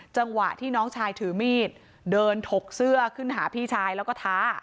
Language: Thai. จังหวะที่น้องชายถือมีดเดินถกเสื้อขึ้นหาพี่ชายแล้วก็ท้า